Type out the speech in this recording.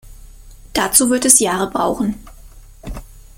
Dazu wird es Jahre brauchen.